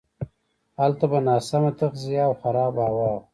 هلته به ناسمه تغذیه او خرابه هوا وه.